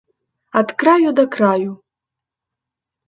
Ад краю да краю!